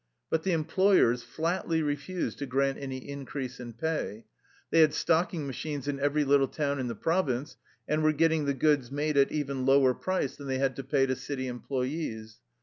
But the employers flatly refused to grant any increase in pay. They had stocking machines in every little town in the province, and were getting the goods made at even lower price than they had to pay to city employees.